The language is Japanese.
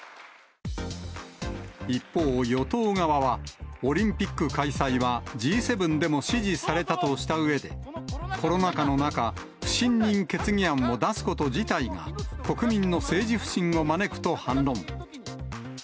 一方、与党側は、オリンピック開催はＧ７でも支持されたとしたうえで、コロナ禍の中、不信任決議案を出すこと自体が、国民の政治不信を招くと反論。